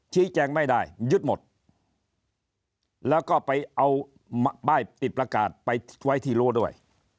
ชี้แจงไม่ได้ยึดหมดแล้วก็ไปเอาป้ายติดประกาศไปไว้ที่รู้ด้วย